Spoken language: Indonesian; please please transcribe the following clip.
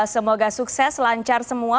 semoga sukses lancar semua